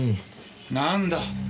なんだ？